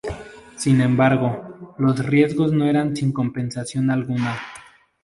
Sin embargo, los riesgos no eran sin compensación alguna.